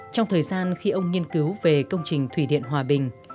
trong thời gian khi ông nghiên cứu về công trình thủy điện hòa bình